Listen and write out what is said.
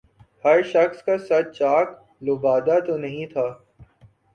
ہر شخص کا صد چاک لبادہ تو نہیں تھا